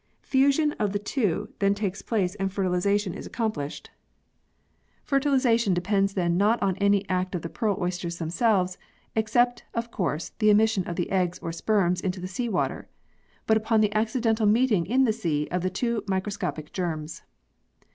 Fusion of the two then takes place and fertilisation is accomplished. m] THE PEARL OYSTER 41 Fertilisation depends then not upon any act of the pearl oysters themselves, except of course the emis sion of the eggs or sperms into the sea water, but upon the accidental meeting in the sea of the two microscopic germs.